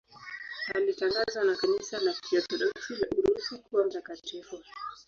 Alitangazwa na Kanisa la Kiorthodoksi la Urusi kuwa mtakatifu.